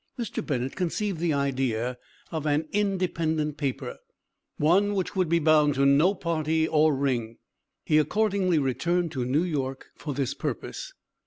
Mr. Bennett conceived the idea of an independent paper; one which would be bound to no party or ring. He accordingly returned to New York for this purpose.